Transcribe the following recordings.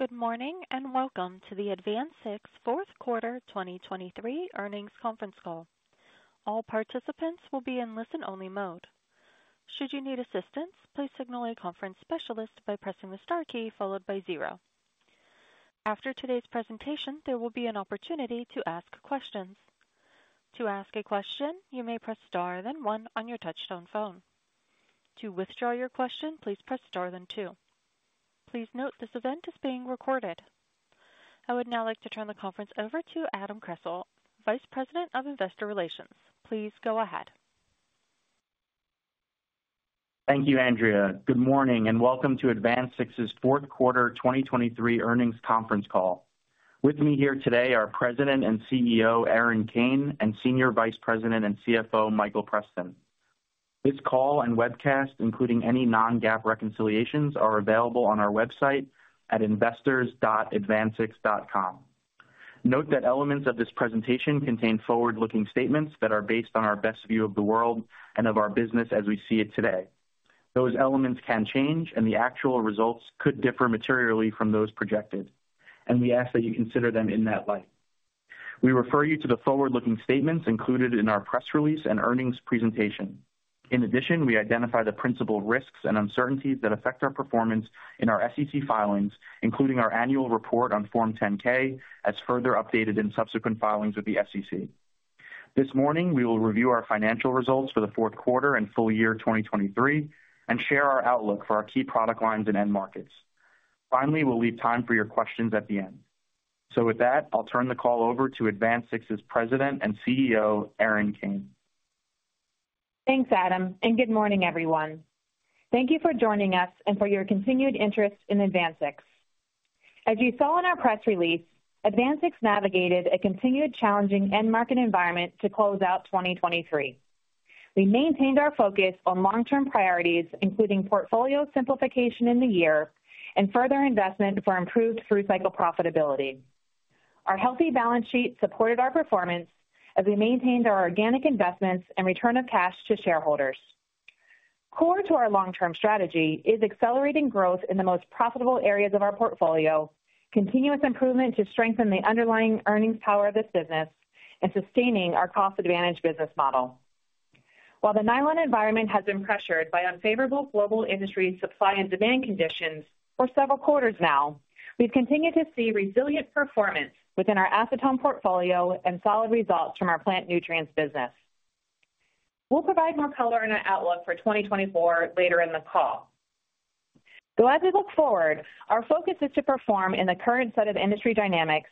Good morning and welcome to the AdvanSix fourth quarter 2023 earnings conference call. All participants will be in listen-only mode. Should you need assistance, please signal a conference specialist by pressing the star key followed by zero. After today's presentation, there will be an opportunity to ask questions. To ask a question, you may press star then one on your touch-tone phone. To withdraw your question, please press star then two. Please note this event is being recorded. I would now like to turn the conference over to Adam Kressel, Vice President of Investor Relations. Please go ahead. Thank you, Andrea. Good morning and welcome to AdvanSix's fourth quarter 2023 earnings conference call. With me here today are President and CEO Erin Kane and Senior Vice President and CFO Michael Preston. This call and webcast, including any non-GAAP reconciliations, are available on our website at investors.advansix.com. Note that elements of this presentation contain forward-looking statements that are based on our best view of the world and of our business as we see it today. Those elements can change, and the actual results could differ materially from those projected, and we ask that you consider them in that light. We refer you to the forward-looking statements included in our press release and earnings presentation. In addition, we identify the principal risks and uncertainties that affect our performance in our SEC filings, including our annual report on Form 10-K as further updated in subsequent filings with the SEC. This morning, we will review our financial results for the fourth quarter and full year 2023 and share our outlook for our key product lines and end markets. Finally, we'll leave time for your questions at the end. So with that, I'll turn the call over to AdvanSix's President and CEO Erin Kane. Thanks, Adam, and good morning, everyone. Thank you for joining us and for your continued interest in AdvanSix. As you saw in our press release, AdvanSix navigated a continued challenging end market environment to close out 2023. We maintained our focus on long-term priorities, including portfolio simplification in the year and further investment for improved through-cycle profitability. Our healthy balance sheet supported our performance as we maintained our organic investments and return of cash to shareholders. Core to our long-term strategy is accelerating growth in the most profitable areas of our portfolio, continuous improvement to strengthen the underlying earnings power of this business, and sustaining our cost-advantaged business model. While the nylon environment has been pressured by unfavorable global industry supply and demand conditions for several quarters now, we've continued to see resilient performance within our acetone portfolio and solid results from our plant nutrients business. We'll provide more color on our outlook for 2024 later in the call. Though as we look forward, our focus is to perform in the current set of industry dynamics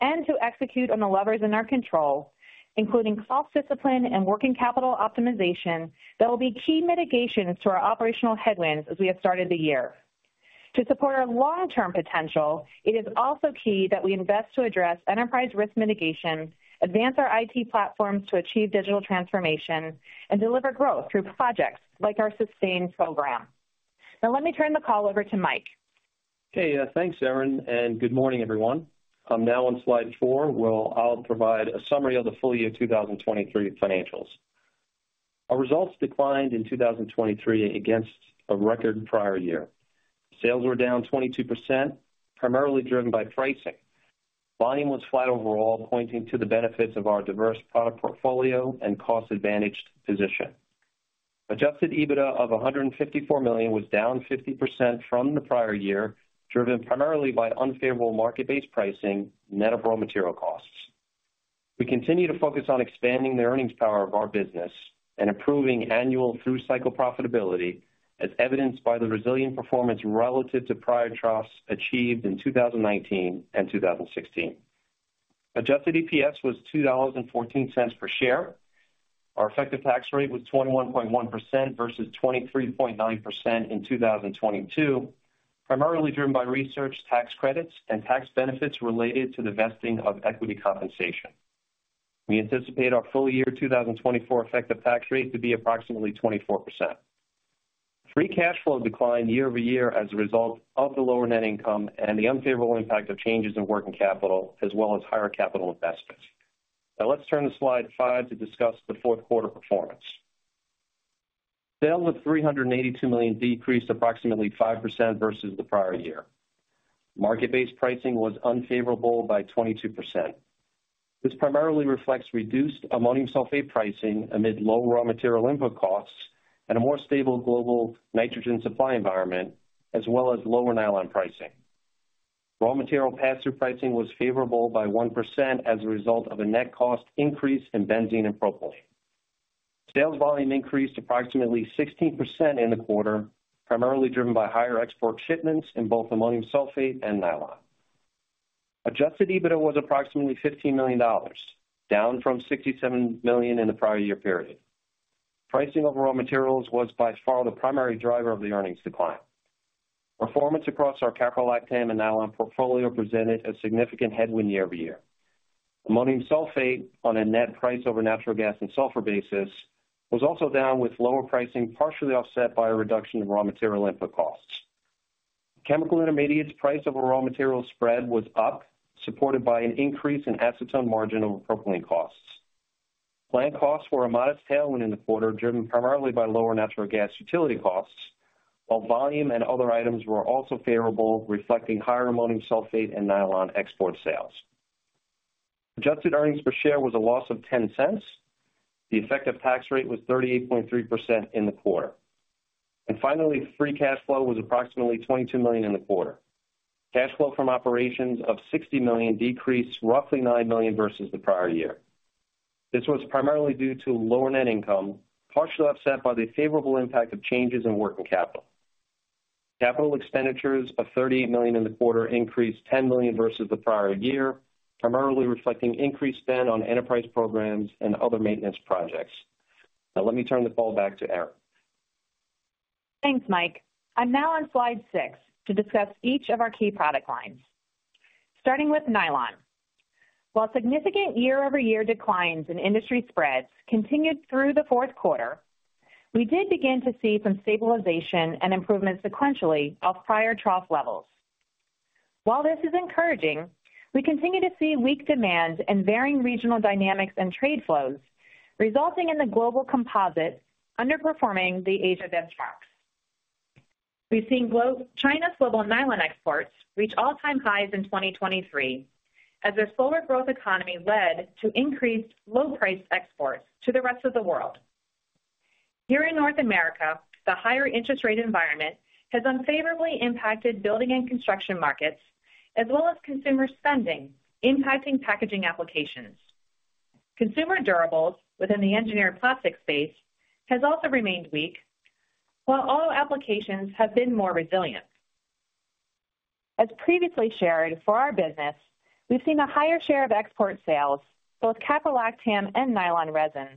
and to execute on the levers in our control, including cost discipline and working capital optimization that will be key mitigations to our operational headwinds as we have started the year. To support our long-term potential, it is also key that we invest to address enterprise risk mitigation, advance our IT platforms to achieve digital transformation, and deliver growth through projects like our SUSTAIN program. Now let me turn the call over to Mike. Hey, thanks, Erin, and good morning, everyone. Now on slide four, I'll provide a summary of the full year 2023 financials. Our results declined in 2023 against a record prior year. Sales were down 22%, primarily driven by pricing. Volume was flat overall, pointing to the benefits of our diverse product portfolio and cost-advantaged position. Adjusted EBITDA of $154 million was down 50% from the prior year, driven primarily by unfavorable market-based pricing net of raw material costs. We continue to focus on expanding the earnings power of our business and improving annual through-cycle profitability, as evidenced by the resilient performance relative to prior troughs achieved in 2019 and 2016. Adjusted EPS was $2.14 per share. Our effective tax rate was 21.1% versus 23.9% in 2022, primarily driven by research tax credits and tax benefits related to the vesting of equity compensation. We anticipate our full year 2024 effective tax rate to be approximately 24%. Free cash flow declined year-over-year as a result of the lower net income and the unfavorable impact of changes in working capital, as well as higher capital investments. Now let's turn to slide five to discuss the fourth quarter performance. Sales of $382 million decreased approximately 5% versus the prior year. Market-based pricing was unfavorable by 22%. This primarily reflects reduced ammonium sulfate pricing amid low raw material input costs and a more stable global nitrogen supply environment, as well as lower nylon pricing. Raw material pass-through pricing was favorable by 1% as a result of a net cost increase in benzene and propylene. Sales volume increased approximately 16% in the quarter, primarily driven by higher export shipments in both ammonium sulfate and nylon. Adjusted EBITDA was approximately $15 million, down from $67 million in the prior year period. Pricing of raw materials was by far the primary driver of the earnings decline. Performance across our caprolactam and nylon portfolio presented a significant headwind year-over-year. Ammonium sulfate, on a net price over natural gas and sulfur basis, was also down with lower pricing, partially offset by a reduction in raw material input costs. Chemical intermediates price over raw materials spread was up, supported by an increase in acetone margin over propylene costs. Plant costs were a modest tailwind in the quarter, driven primarily by lower natural gas utility costs, while volume and other items were also favorable, reflecting higher ammonium sulfate and nylon export sales. Adjusted earnings per share was a loss of $0.10. The effective tax rate was 38.3% in the quarter. Finally, free cash flow was approximately $22 million in the quarter. Cash flow from operations of $60 million decreased roughly $9 million versus the prior year. This was primarily due to lower net income, partially offset by the favorable impact of changes in working capital. Capital expenditures of $38 million in the quarter increased $10 million versus the prior year, primarily reflecting increased spend on enterprise programs and other maintenance projects. Now let me turn the call back to Erin. Thanks, Mike. I'm now on slide six to discuss each of our key product lines. Starting with nylon. While significant year-over-year declines in industry spreads continued through the fourth quarter, we did begin to see some stabilization and improvements sequentially off prior trough levels. While this is encouraging, we continue to see weak demand and varying regional dynamics and trade flows, resulting in the global composite underperforming the Asia benchmarks. We've seen China's global nylon exports reach all-time highs in 2023, as a slower growth economy led to increased low-priced exports to the rest of the world. Here in North America, the higher interest rate environment has unfavorably impacted building and construction markets, as well as consumer spending, impacting packaging applications. Consumer durables within the engineered plastic space has also remained weak, while auto applications have been more resilient. As previously shared, for our business, we've seen a higher share of export sales, both caprolactam and nylon resin,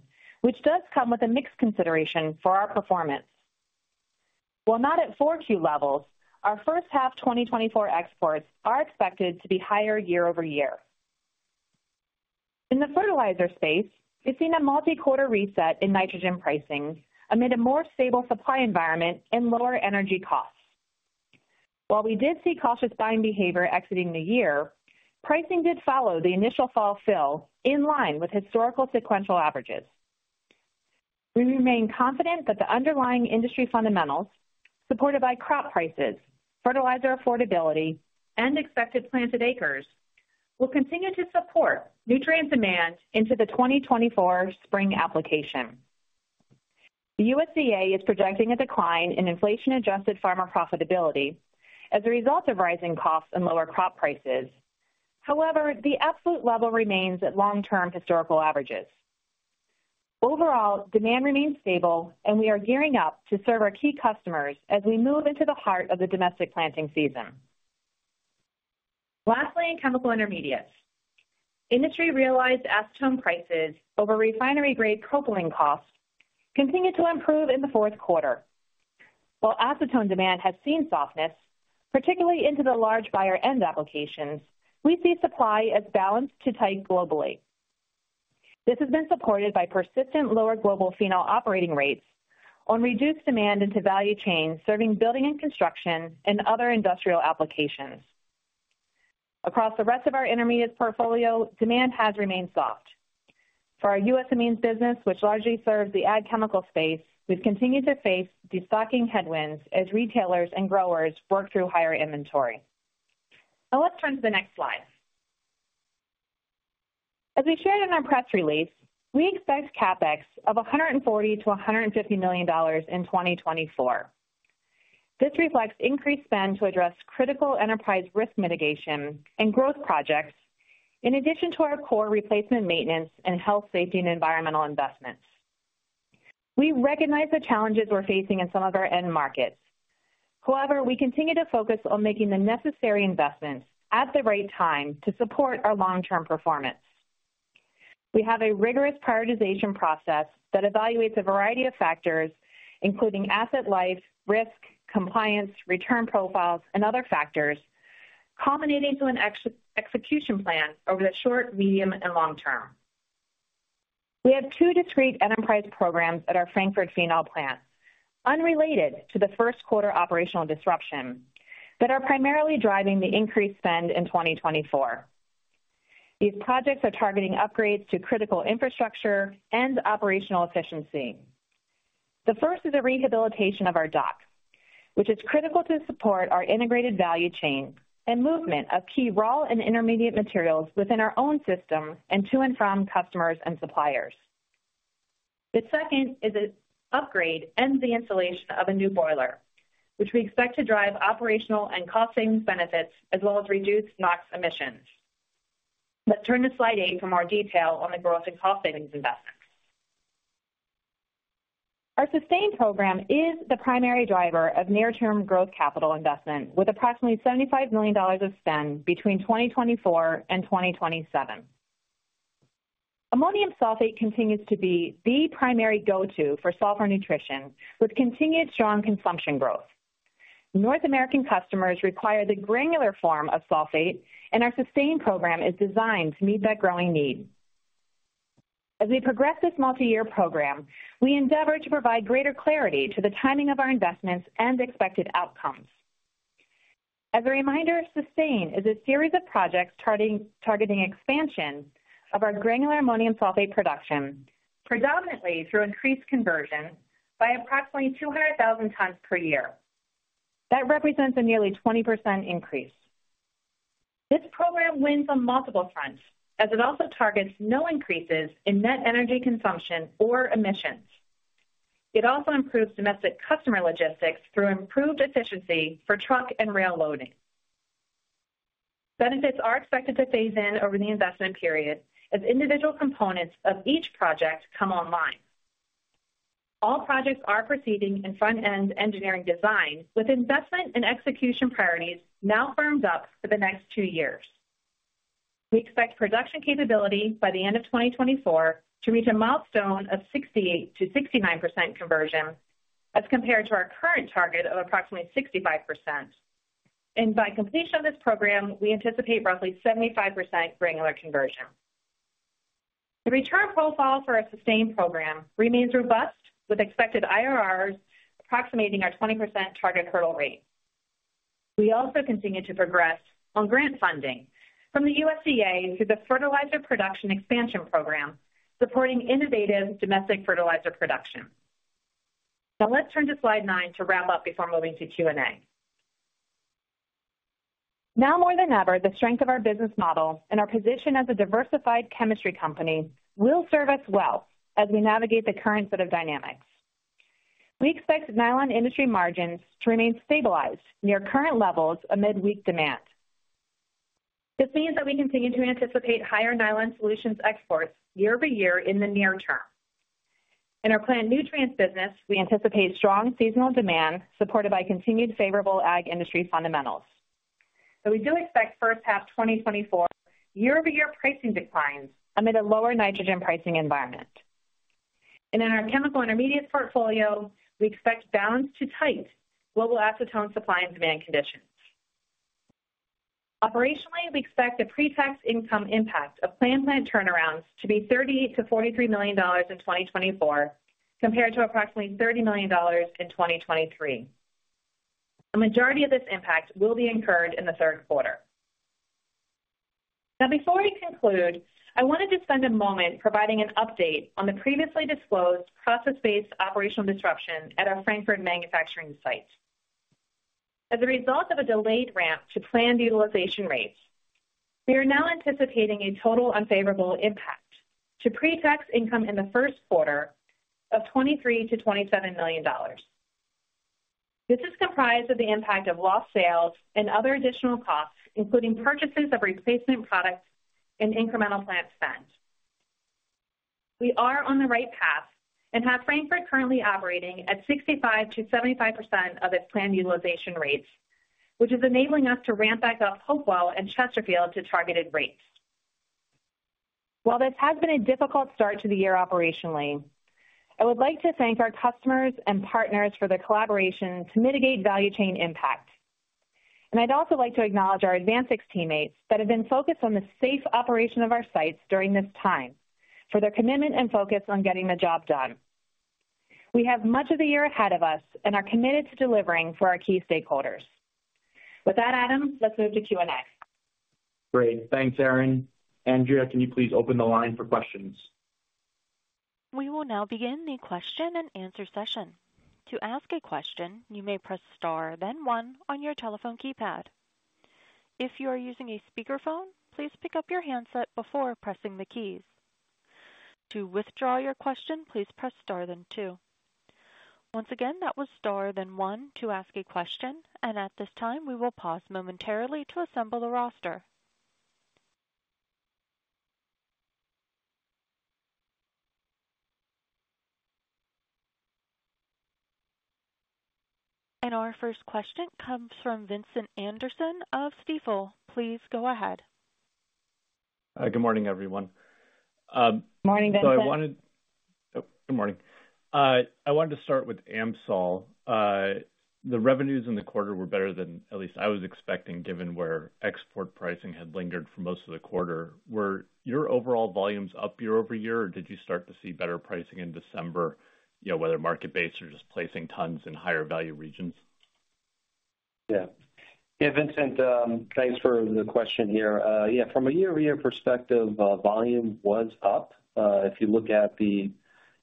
which does come with a mixed consideration for our performance. While not at 4Q levels, our first half 2024 exports are expected to be higher year-over-year. In the fertilizer space, we've seen a multi-quarter reset in nitrogen pricing amid a more stable supply environment and lower energy costs. While we did see cautious buying behavior exiting the year, pricing did follow the initial fall fill in line with historical sequential averages. We remain confident that the underlying industry fundamentals, supported by crop prices, fertilizer affordability, and expected planted acres, will continue to support nutrient demand into the 2024 spring application. The USDA is projecting a decline in inflation-adjusted farmer profitability as a result of rising costs and lower crop prices. However, the absolute level remains at long-term historical averages. Overall, demand remains stable, and we are gearing up to serve our key customers as we move into the heart of the domestic planting season. Lastly, in chemical intermediates, industry realized acetone prices over refinery-grade propylene costs continue to improve in the fourth quarter. While acetone demand has seen softness, particularly into the large buyer-end applications, we see supply as balanced to tight globally. This has been supported by persistent lower global phenol operating rates on reduced demand into value chain, serving building and construction and other industrial applications. Across the rest of our intermediates portfolio, demand has remained soft. For our U.S. amines business, which largely serves the ag chemical space, we've continued to face destocking headwinds as retailers and growers work through higher inventory. Now let's turn to the next slide. As we shared in our press release, we expect CapEx of $140 million-$150 million in 2024. This reflects increased spend to address critical enterprise risk mitigation and growth projects, in addition to our core replacement maintenance and health, safety, and environmental investments. We recognize the challenges we're facing in some of our end markets. However, we continue to focus on making the necessary investments at the right time to support our long-term performance. We have a rigorous prioritization process that evaluates a variety of factors, including asset life, risk, compliance, return profiles, and other factors, culminating to an execution plan over the short, medium, and long term. We have two discrete enterprise programs at our Frankford phenol plant, unrelated to the first quarter operational disruption, that are primarily driving the increased spend in 2024. These projects are targeting upgrades to critical infrastructure and operational efficiency. The first is a rehabilitation of our dock, which is critical to support our integrated value chain and movement of key raw and intermediate materials within our own system and to and from customers and suppliers. The second is an upgrade and the installation of a new boiler, which we expect to drive operational and cost-savings benefits, as well as reduce NOx emissions. Let's turn to slide eight for more detail on the growth and cost-savings investments. Our SUSTAIN program is the primary driver of near-term growth capital investment, with approximately $75 million of spend between 2024 and 2027. Ammonium sulfate continues to be the primary go-to for sulfur nutrition, with continued strong consumption growth. North American customers require the granular form of sulfate, and our SUSTAIN program is designed to meet that growing need. As we progress this multi-year program, we endeavor to provide greater clarity to the timing of our investments and expected outcomes. As a reminder, SUSTAIN is a series of projects targeting expansion of our granular ammonium sulfate production, predominantly through increased conversion by approximately 200,000 tons per year. That represents a nearly 20% increase. This program wins on multiple fronts, as it also targets no increases in net energy consumption or emissions. It also improves domestic customer logistics through improved efficiency for truck and rail loading. Benefits are expected to phase in over the investment period as individual components of each project come online. All projects are proceeding in front-end engineering design, with investment and execution priorities now firmed up for the next two years. We expect production capability by the end of 2024 to reach a milestone of 68%-69% conversion as compared to our current target of approximately 65%. By completion of this program, we anticipate roughly 75% granular conversion. The return profile for our SUSTAIN program remains robust, with expected IRRs approximating our 20% target hurdle rate. We also continue to progress on grant funding from the USDA through the Fertilizer Production Expansion Program, supporting innovative domestic fertilizer production. Now let's turn to slide nine to wrap up before moving to Q&A. Now more than ever, the strength of our business model and our position as a diversified chemistry company will serve us well as we navigate the current set of dynamics. We expect nylon industry margins to remain stabilized near current levels amid weak demand. This means that we continue to anticipate higher nylon solutions exports year-over-year in the near term. In our plant nutrients business, we anticipate strong seasonal demand supported by continued favorable ag industry fundamentals. We do expect first half 2024 year-over-year pricing declines amid a lower nitrogen pricing environment. In our chemical intermediates portfolio, we expect balanced to tight global acetone supply and demand conditions. Operationally, we expect a pre-tax income impact of planned plant turnarounds to be $38 million-$43 million in 2024, compared to approximately $30 million in 2023. The majority of this impact will be incurred in the third quarter. Now, before we conclude, I wanted to spend a moment providing an update on the previously disclosed process-based operational disruption at our Frankford manufacturing site. As a result of a delayed ramp to planned utilization rates, we are now anticipating a total unfavorable impact to pre-tax income in the first quarter of $23 million-$27 million. This is comprised of the impact of lost sales and other additional costs, including purchases of replacement products and incremental plant spend. We are on the right path and have Frankford currently operating at 65%-75% of its planned utilization rates, which is enabling us to ramp back up Hopewell and Chesterfield to targeted rates. While this has been a difficult start to the year operationally, I would like to thank our customers and partners for their collaboration to mitigate value chain impact. I'd also like to acknowledge our AdvanSix teammates that have been focused on the safe operation of our sites during this time for their commitment and focus on getting the job done. We have much of the year ahead of us and are committed to delivering for our key stakeholders. With that, Adam, let's move to Q&A. Great. Thanks, Erin. Andrea, can you please open the line for questions? We will now begin the question and answer session. To ask a question, you may press star then one on your telephone keypad. If you are using a speakerphone, please pick up your handset before pressing the keys. To withdraw your question, please press star then two. Once again, that was star then one to ask a question, and at this time we will pause momentarily to assemble the roster. Our first question comes from Vincent Anderson of Stifel. Please go ahead. Good morning, everyone. Morning, Vincent. So I wanted. Oh, good morning. I wanted to start with Amsul. The revenues in the quarter were better than, at least, I was expecting, given where export pricing had lingered for most of the quarter. Were your overall volumes up year-over-year, or did you start to see better pricing in December, whether market-based or just placing tons in higher value regions? Yeah. Yeah, Vincent, thanks for the question here. Yeah, from a year-over-year perspective, volume was up. If you look at the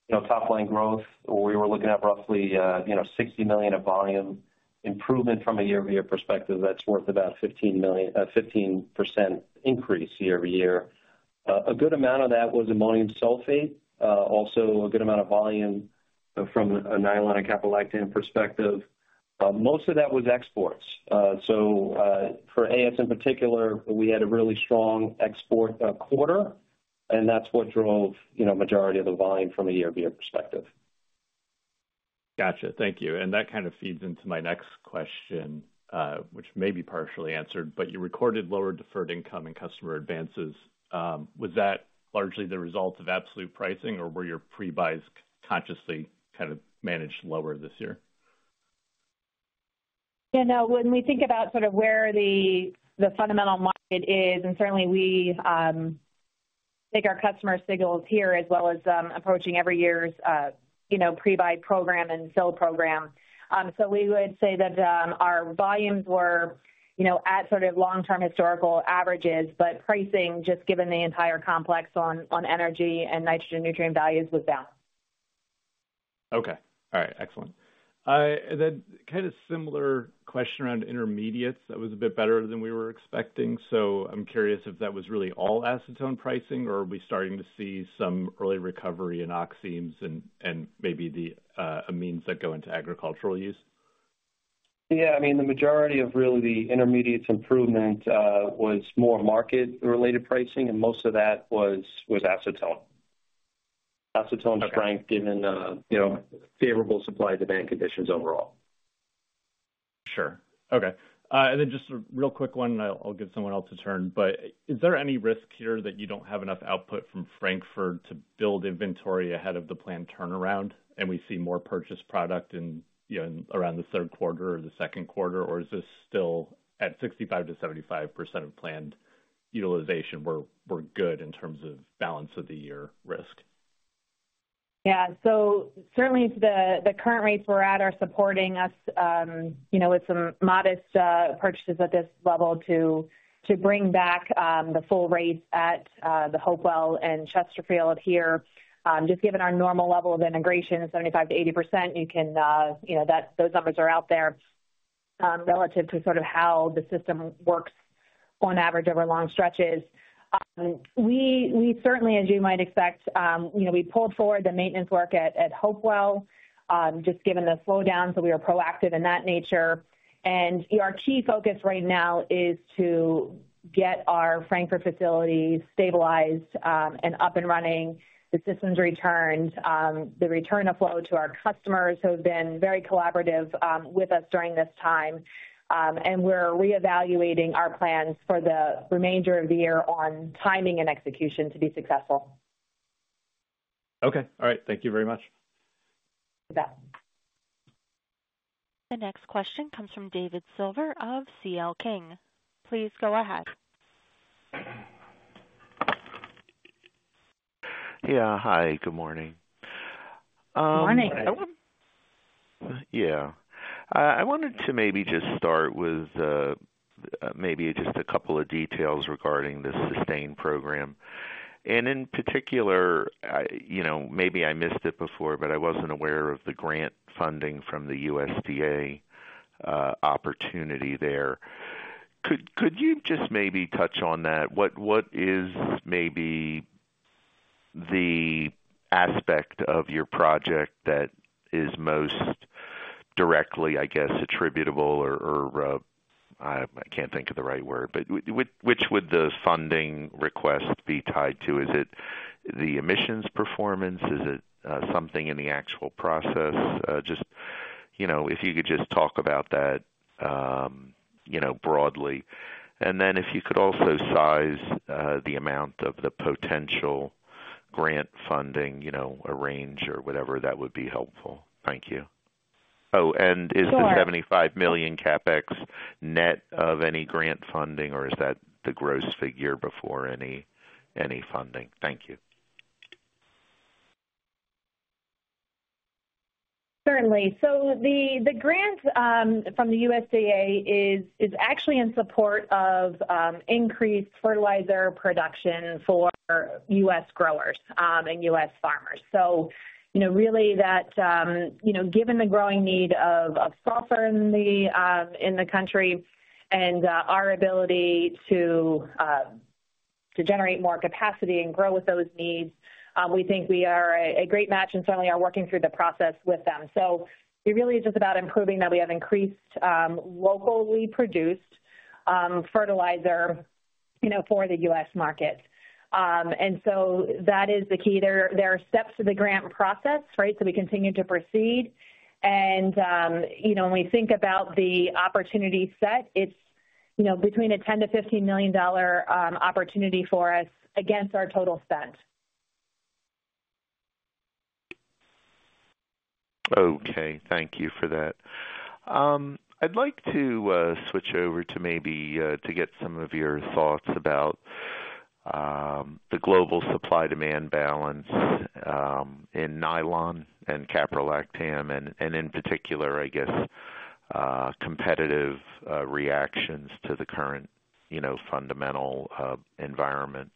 top-line growth, we were looking at roughly $60 million of volume. Improvement from a year-over-year perspective, that's worth about a 15% increase year-over-year. A good amount of that was ammonium sulfate, also a good amount of volume from a nylon and caprolactam perspective. Most of that was exports. So for AS in particular, we had a really strong export quarter, and that's what drove the majority of the volume from a year-over-year perspective. Gotcha. Thank you. That kind of feeds into my next question, which may be partially answered, but you recorded lower deferred income and customer advances. Was that largely the result of absolute pricing, or were your pre-buys consciously kind of managed lower this year? Yeah, no, when we think about sort of where the fundamental market is, and certainly we take our customer signals here as well as approaching every year's pre-buy program and sales program. So we would say that our volumes were at sort of long-term historical averages, but pricing, just given the entire complex on energy and nitrogen nutrient values, was down. Okay. All right. Excellent. Then kind of similar question around intermediates. That was a bit better than we were expecting. So I'm curious if that was really all acetone pricing, or are we starting to see some early recovery in oximes and maybe the amines that go into agricultural use? Yeah, I mean, the majority of really the intermediates improvement was more market-related pricing, and most of that was acetone. Acetone strength given favorable supply-to-demand conditions overall. Sure. Okay. And then just a real quick one, and I'll give someone else a turn. But is there any risk here that you don't have enough output from Frankford to build inventory ahead of the planned turnaround, and we see more purchased product around the third quarter or the second quarter, or is this still at 65%-75% of planned utilization where we're good in terms of balance of the year risk? Yeah, so certainly the current rates we're at are supporting us with some modest purchases at this level to bring back the full rates at the Hopewell and Chesterfield here. Just given our normal level of integration, 75%-80%, you can—those numbers are out there relative to sort of how the system works on average over long stretches. We certainly, as you might expect, we pulled forward the maintenance work at Hopewell, just given the slowdown, so we were proactive in that nature. And our key focus right now is to get our Frankford facilities stabilized and up and running. The system's returned, the return of flow to our customers who have been very collaborative with us during this time. And we're reevaluating our plans for the remainder of the year on timing and execution to be successful. Okay. All right. Thank you very much. You bet. The next question comes from David Silver of CL King. Please go ahead. Yeah, hi. Good morning. Good morning. Yeah. I wanted to maybe just start with maybe just a couple of details regarding the SUSTAIN program. And in particular, maybe I missed it before, but I wasn't aware of the grant funding from the USDA opportunity there. Could you just maybe touch on that? What is maybe the aspect of your project that is most directly, I guess, attributable or—I can't think of the right word but which would the funding request be tied to? Is it the emissions performance? Is it something in the actual process? Just if you could just talk about that broadly. And then if you could also size the amount of the potential grant funding range or whatever, that would be helpful. Thank you. Oh, and is the $75 million CapEx net of any grant funding, or is that the gross figure before any funding? Thank you. Certainly. So the grant from the USDA is actually in support of increased fertilizer production for U.S. growers and U.S. farmers. So really, given the growing need of sulfur in the country and our ability to generate more capacity and grow with those needs, we think we are a great match and certainly are working through the process with them. So it really is just about improving that we have increased locally produced fertilizer for the U.S. market. And so that is the key. There are steps to the grant process, right? So we continue to proceed. And when we think about the opportunity set, it's between a $10 million-$15 million opportunity for us against our total spent. Okay. Thank you for that. I'd like to switch over to maybe get some of your thoughts about the global supply-demand balance in nylon and caprolactam, and in particular, I guess, competitive reactions to the current fundamental environment.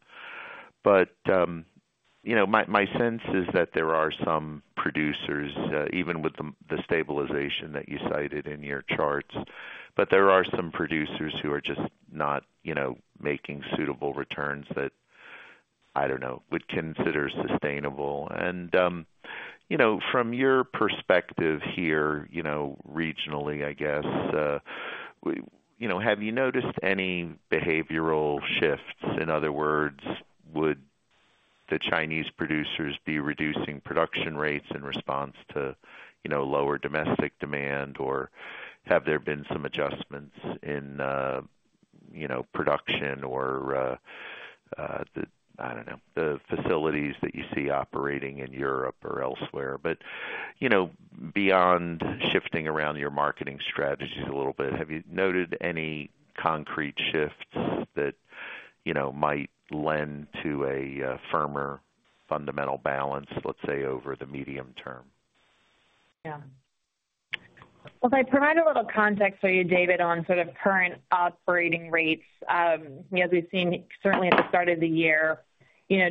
But my sense is that there are some producers, even with the stabilization that you cited in your charts, but there are some producers who are just not making suitable returns that, I don't know, would consider sustainable. And from your perspective here regionally, I guess, have you noticed any behavioral shifts? In other words, would the Chinese producers be reducing production rates in response to lower domestic demand, or have there been some adjustments in production or, I don't know, the facilities that you see operating in Europe or elsewhere? Beyond shifting around your marketing strategies a little bit, have you noted any concrete shifts that might lend to a firmer fundamental balance, let's say, over the medium term? Yeah. Well, if I provide a little context for you, David, on sort of current operating rates, as we've seen certainly at the start of the year,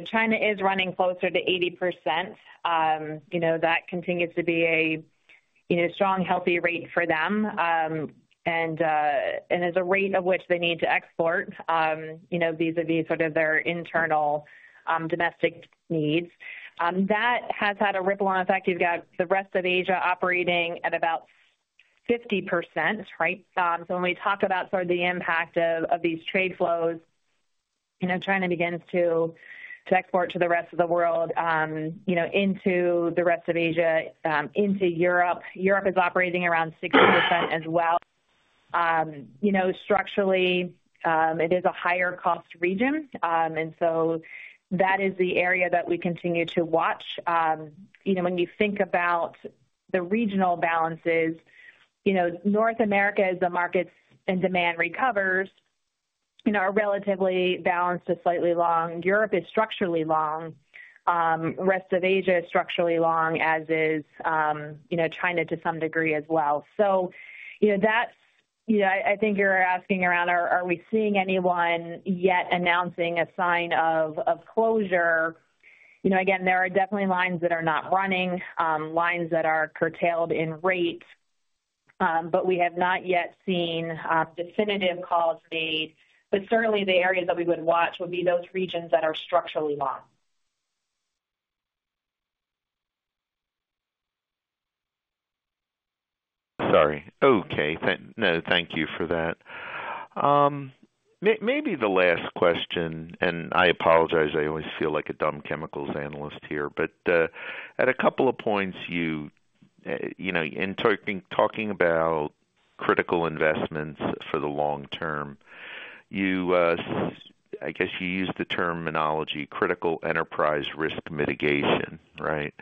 China is running closer to 80%. That continues to be a strong, healthy rate for them. And it's a rate at which they need to export vis-à-vis sort of their internal domestic needs. That has had a ripple-on effect. You've got the rest of Asia operating at about 50%, right? So when we talk about sort of the impact of these trade flows, China begins to export to the rest of the world, into the rest of Asia, into Europe. Europe is operating around 60% as well. Structurally, it is a higher-cost region. And so that is the area that we continue to watch. When you think about the regional balances, North America, the markets and demand recovers, are relatively balanced to slightly long. Europe is structurally long. The rest of Asia is structurally long, as is China to some degree as well. So that's—I think you were asking around, are we seeing anyone yet announcing a sign of closure? Again, there are definitely lines that are not running, lines that are curtailed in rate, but we have not yet seen definitive calls made. But certainly, the areas that we would watch would be those regions that are structurally long. Sorry. Okay. No, thank you for that. Maybe the last question, and I apologize, I always feel like a dumb chemicals analyst here, but at a couple of points, in talking about critical investments. For the long term, I guess you used the terminology critical enterprise risk mitigation, right?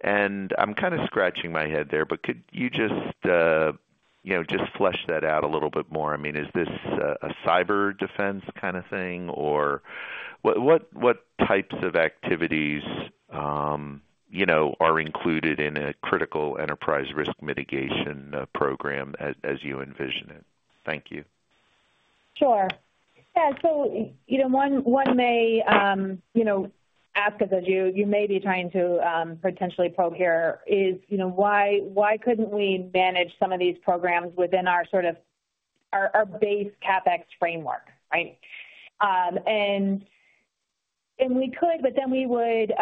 And I'm kind of scratching my head there, but could you just flesh that out a little bit more? I mean, is this a cyber defense kind of thing, or what types of activities are included in a critical enterprise risk mitigation program as you envision it? Thank you. Sure. Yeah, so one may ask, as you may be trying to potentially probe here, is why couldn't we manage some of these programs within our sort of our base CapEx framework, right? And we could, but then we would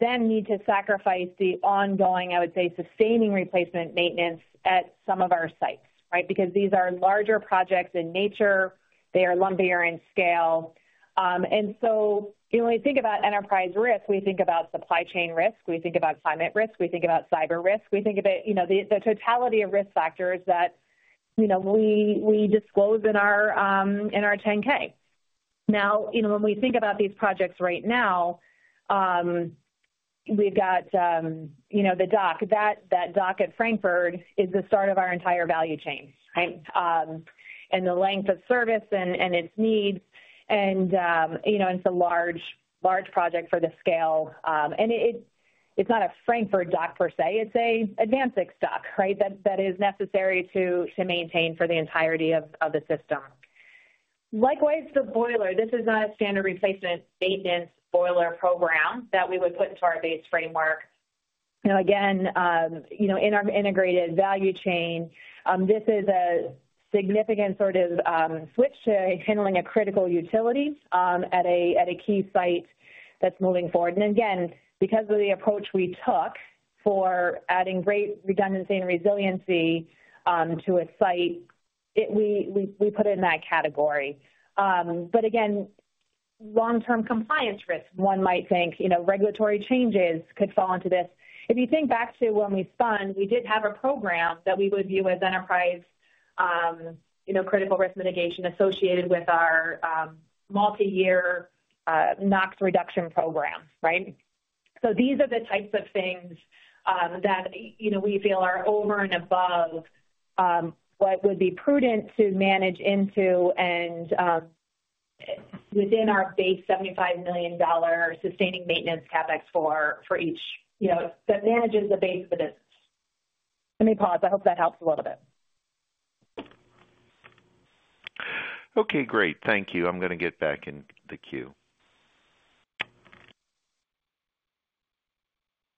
then need to sacrifice the ongoing, I would say, sustaining replacement maintenance at some of our sites, right? Because these are larger projects in nature. They are lumpier in scale. And so when we think about enterprise risk, we think about supply chain risk. We think about climate risk. We think about cyber risk. We think of it, the totality of risk factors that we disclose in our 10-K. Now, when we think about these projects right now, we've got the dock. That dock at Frankford is the start of our entire value chain, right? And the length of service and its needs. And it's a large project for the scale. It's not a Frankford dock per se. It's an AdvanSix dock, right, that is necessary to maintain for the entirety of the system. Likewise, the boiler. This is not a standard replacement maintenance boiler program that we would put into our base framework. Again, in our integrated value chain, this is a significant sort of switch to handling a critical utility at a key site that's moving forward. And again, because of the approach we took for adding great redundancy and resiliency to a site, we put it in that category. But again, long-term compliance risks, one might think regulatory changes could fall into this. If you think back to when we spun, we did have a program that we would view as enterprise critical risk mitigation associated with our multi-year NOx reduction program, right? So these are the types of things that we feel are over and above what would be prudent to manage into and within our base $75 million sustaining maintenance CapEx for each that manages the base of the business. Let me pause. I hope that helps a little bit. Okay. Great. Thank you. I'm going to get back in the queue.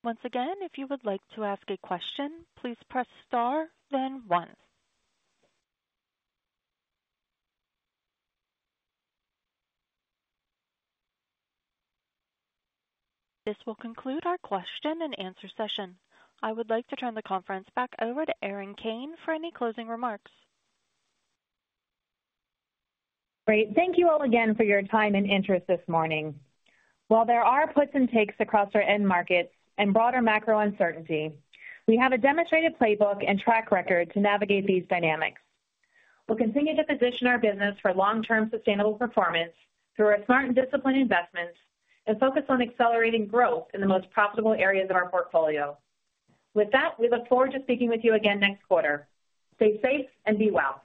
Once again, if you would like to ask a question, please press star, then one. This will conclude our question and answer session. I would like to turn the conference back over to Erin Kane for any closing remarks. Great. Thank you all again for your time and interest this morning. While there are puts and takes across our end markets and broader macro uncertainty, we have a demonstrated playbook and track record to navigate these dynamics. We'll continue to position our business for long-term sustainable performance through our smart and disciplined investments and focus on accelerating growth in the most profitable areas of our portfolio. With that, we look forward to speaking with you again next quarter. Stay safe and be well.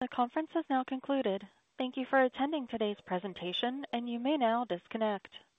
The conference has now concluded. Thank you for attending today's presentation, and you may now disconnect.